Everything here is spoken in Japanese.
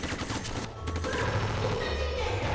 ほらぼくたちみたいじゃない？